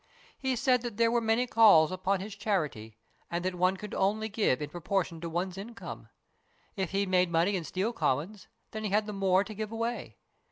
He said that there were many calls upon his charity, and that one could only give in proportion to one's income. If he made money in Steel Commons, then he had the more to give away.